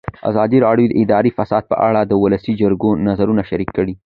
ازادي راډیو د اداري فساد په اړه د ولسي جرګې نظرونه شریک کړي.